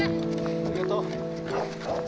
ありがとう。